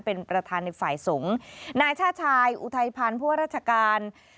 เป็นประธานในฝ่ายสงส์นายชาชายอุธัยภรพราชการ